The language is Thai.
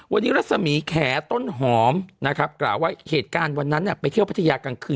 วันนี้รัศมีแขต้นหอมนะครับกล่าวว่าเหตุการณ์วันนั้นไปเที่ยวพัทยากลางคืน